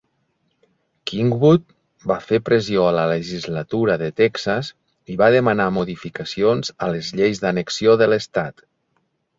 Kingwood va fer pressió a la legislatura de Texas i va demanar modificacions a les lleis d'annexió de l'estat.